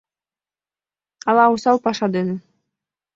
Ала осал паша дене